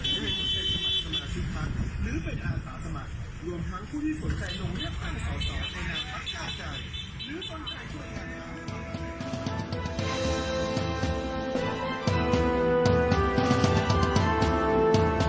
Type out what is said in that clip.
หรือเป็นสมัครสมัครหรือเป็นอาสาสมัครรวมทั้งผู้ที่ฝนใจโน้มเยี่ยมของสาวในนักรักษาจ่ายหรือฝนใจส่วนอย่างยาว